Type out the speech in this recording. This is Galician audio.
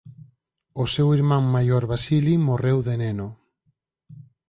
O seu irmán maior Vasili morreu de neno.